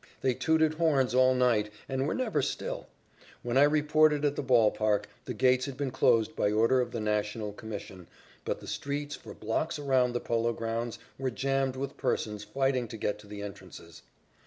They tooted horns all night, and were never still. When I reported at the ball park, the gates had been closed by order of the National Commission, but the streets for blocks around the Polo Grounds were jammed with persons fighting to get to the entrances.